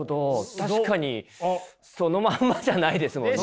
確かにそのまんまじゃないですもんね。